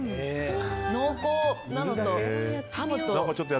濃厚なのとハムと。